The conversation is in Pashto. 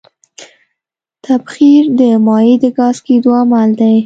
تبخیر د مایع د ګاز کېدو عمل دی.